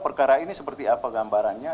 perkara ini seperti apa gambarannya